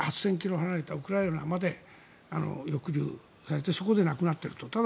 ８０００ｋｍ離れたウクライナで抑留されてそこで亡くなっていると。